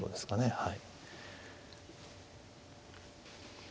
はい。